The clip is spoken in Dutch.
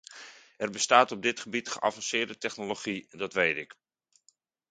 Er bestaat op dit gebied geavanceerde technologie, dat weet ik.